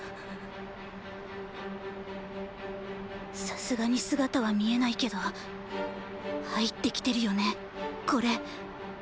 さすがに姿は見えないけど入って来てるよねこれ。